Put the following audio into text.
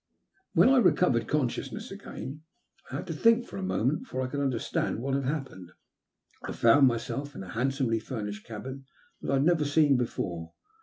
When I recovered consciousness again, I had to think for a moment before I could understand what had happened. I found myself in a handsomely furnished cabin that I had never seen before.